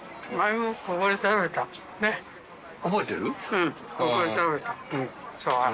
うん。